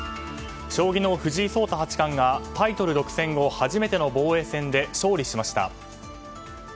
将棋の藤井聡太八冠がタイトル独占後初めての防衛戦で勝利しました。